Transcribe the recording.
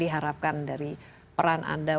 diharapkan dari peran anda